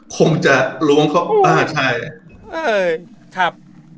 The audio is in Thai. คงจะล้วงเข้าไปอ้าวใช่